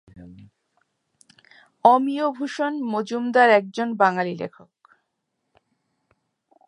অমিয়ভূষণ মজুমদার একজন বাঙালি লেখক।